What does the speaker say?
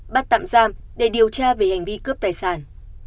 bắt tạm giam để điều tra về hành vi cướp tài sản